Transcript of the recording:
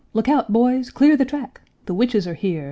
Look out, boys! Clear the track! The witches are here!